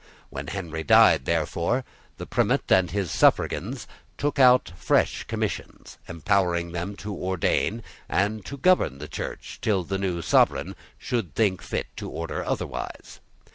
When Henry died, therefore, the Primate and his suffragans took out fresh commissions, empowering them to ordain and to govern the Church till the new sovereign should think fit to order otherwise.